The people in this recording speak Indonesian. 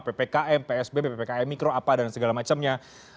ppkm psbb ppkm mikro apa dan segala macamnya